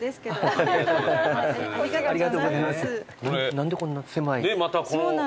何でこんな狭い。